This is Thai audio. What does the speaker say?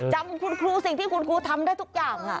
จำคุณครูสิ่งที่คุณครูทำได้ทุกอย่าง